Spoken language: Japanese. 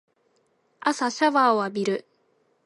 朝シャワーを浴びる